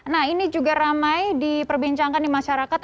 nah ini juga ramai diperbincangkan di masyarakat